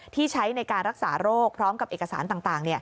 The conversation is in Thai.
ที่ใช้ในการรักษาโรคพร้อมกับเอกสารต่าง